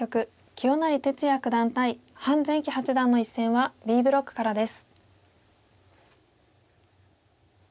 清成哲也九段対潘善八段の一戦はＢブロックからです。